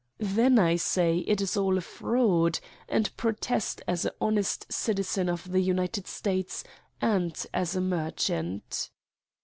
Then I say it is all a fraud and I protest as a honest citizen of the United States and as a merchant.